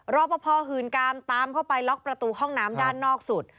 รอปภหื่นกามตามเข้าไปล็อกประตูห้องน้ำด้านนอกสุด